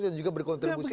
dan juga berkontribusi